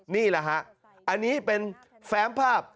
นี่แหละฮะอันนี้เป็นแฟ้มภาพ